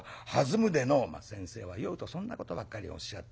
「先生は酔うとそんなことばっかりおっしゃって。